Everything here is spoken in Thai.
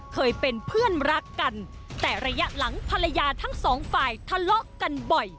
เคยเป็นเพื่อนรักกันแต่ระยะหลังภรรยาทั้งสองฝ่ายทะเลาะกันบ่อย